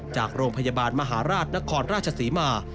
จากโรงพยาบาลมหาราชนครราชศรีมา